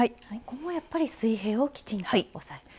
ここもやっぱり水平をきちんと押さえる？